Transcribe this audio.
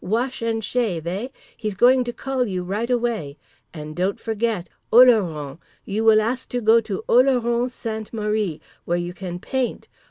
Wash and shave, eh? He's going to call you right away. And don't forget! Oloron! You will ask to go to Oloron Sainte Marie, where you can paint!